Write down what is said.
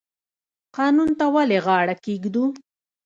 قانون ته ولې غاړه کیږدو؟